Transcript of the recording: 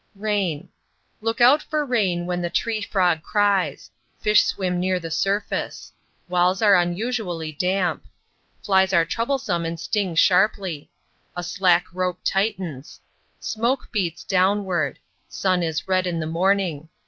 Rain Look out for rain when The tree frog cries. Fish swim near the surface. Walls are unusually damp. Flies are troublesome and sting sharply. A slack rope tightens. Smoke beats downward. Sun is red in the morning.